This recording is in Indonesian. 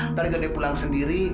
ntar juga dia pulang sendiri